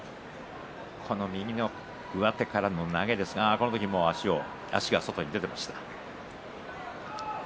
右の上手からの投げですが足が外に出ていました。